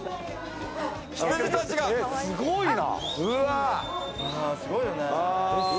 すごいな。